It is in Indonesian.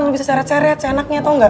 lo bisa seret seret senaknya tau gak